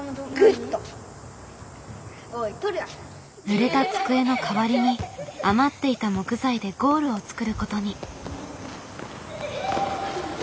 ぬれた机の代わりに余っていた木材でゴールを作ることに。